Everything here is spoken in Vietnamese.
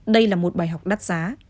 đây là một bài học đắt giá